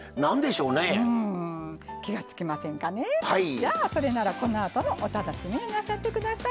じゃあそれならこのあともお楽しみになさって下さい。